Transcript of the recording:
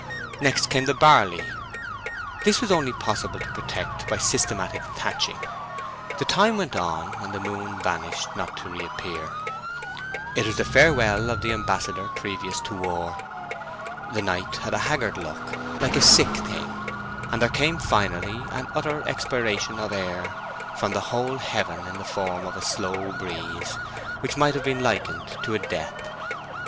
Next came the barley. This it was only possible to protect by systematic thatching. Time went on, and the moon vanished not to reappear. It was the farewell of the ambassador previous to war. The night had a haggard look, like a sick thing; and there came finally an utter expiration of air from the whole heaven in the form of a slow breeze, which might have been likened to a death.